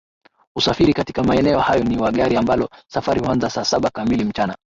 Usafiri katika maeneo hayo ni wa gari ambalo safari huanza saa saba kamili mchana